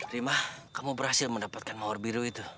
rimah kamu berhasil mendapatkan mawar biru itu